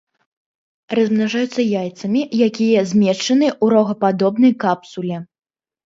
Размнажаюцца яйцамі, якія змешчаны ў рогападобнай капсуле.